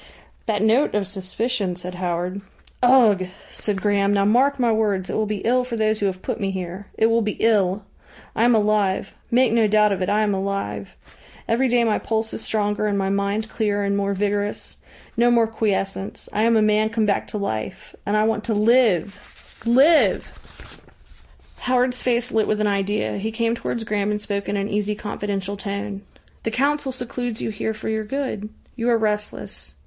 "That note of suspicion " said Howard. "Ugh!" said Graham. "Now, mark my words, it will be ill for those who have put me here. It will be ill. I am alive. Make no doubt of it, I am alive. Every day my pulse is stronger and my mind clearer and more vigorous. No more quiescence. I am a man come back to life. And I want to live " "Live!" Howard's face lit with an idea. He came towards Graham and spoke in an easy confidential tone. "The Council secludes you here for your good. You are restless.